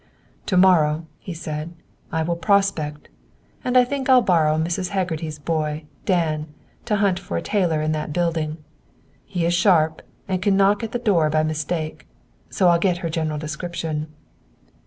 "To morrow," he said, "I will prospect, and I think I'll borrow Mrs. Haggerty's boy, Dan, to hunt for a tailor in that building. He is sharp and he can knock at the door by mistake, so I'll get her general description.